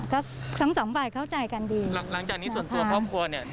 ก็ทั้งสองฝ่ายเข้าใจกันดีหลังจากนี้ส่วนตัวครอบครัวเนี่ย